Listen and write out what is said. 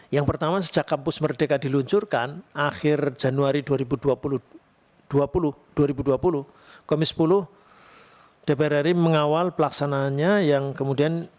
yang pertama sejak kampus merdeka diluncurkan akhir januari dua ribu dua puluh komisi sepuluh dprri mengawal pelaksananya yang kemudian